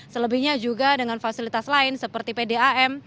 selebihnya juga dengan fasilitas lain seperti pdam